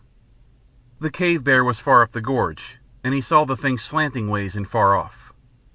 The cave bear was far up the gorge, and he saw the thing slanting ways and far off.